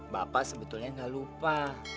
bapak sebetulnya gak lupa